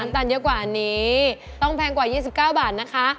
ตันเยอะกว่าอันนี้ต้องแพงกว่า๒๙บาทนะคะ